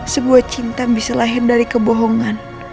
sebuah cinta bisa lahir dari kebohongan